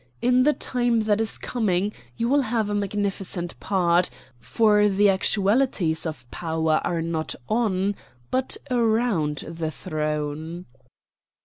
In the time that is coming you will have a magnificent part, for the actualities of power are not on, but around, the throne."